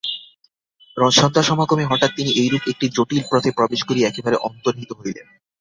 সন্ধ্যা-সমাগমে হঠাৎ তিনি এইরূপ একটি জটিল পথে প্রবেশ করিয়া একেবারে অন্তর্হিত হইলেন।